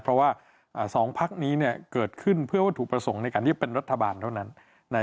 เพราะว่า๒พักนี้เกิดขึ้นเพื่อวัตถุประสงค์ในการที่เป็นรัฐบาลเท่านั้น